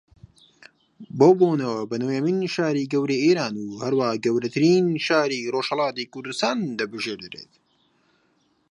بەو بۆنەوە بە نۆیەمین شاری گەورەی ئێران و ھەروەھا گەورەترین شاری ڕۆژھەڵاتی کوردستان دەبژێردرێ